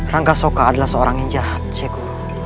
rangga soka adalah seorang yang jahat ceko